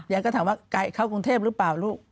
ก็ถามว่าไกลเข้ากรุงเทพหรือเปล่าลูก